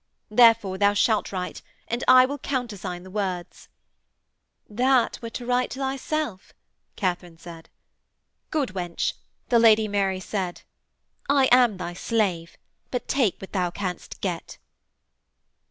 Therefore, thou shalt write, and I will countersign the words.' 'That were to write thyself,' Katharine said. 'Good wench,' the Lady Mary said. 'I am thy slave: but take what thou canst get.'